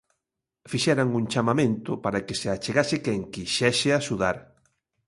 Fixeran un chamamento para que se achegase quen quixese axudar.